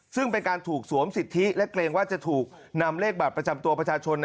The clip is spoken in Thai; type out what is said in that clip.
ซึ่งเป็นการถูกสวมสิทธิและเกรงว่าจะถูกนำเลขบัตรประจำตัวประชาชน